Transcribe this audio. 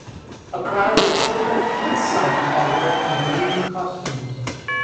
A crowd of children and some are wearing green costumes.